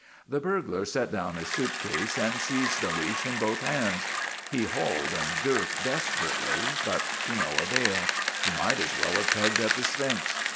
The burglar set down his suitcase and seized the leash in both hands. He hauled and jerked desper ately, but to no avail. He might as well have tugged at the Sphinx.